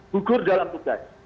bugur dalam tugas